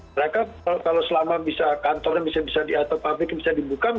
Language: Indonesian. mereka kalau selama kantornya bisa diatur pabrik bisa dibuka